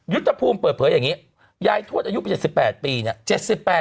ยุทธภูมิเปิดเผยอย่างนี้ยายทวดอายุ๗๘ปีเนี่ย